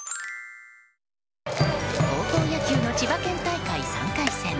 高校野球の千葉県大会３回戦。